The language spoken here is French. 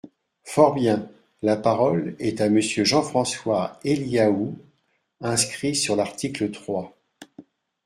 Fort bien ! La parole est à Monsieur Jean-François Eliaou, inscrit sur l’article trois.